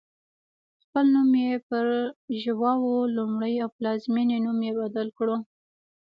خپل نوم یې پر ژواو لومړی او پلازمېنې نوم یې بدل کړ.